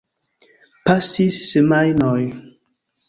Pasis semajnoj.